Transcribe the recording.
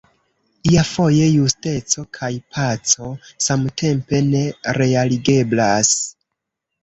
Iafoje justeco kaj paco samtempe ne realigeblas.